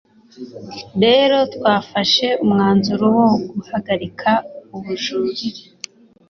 rero twafashe umwanzuro wo guhagarika ubujurire”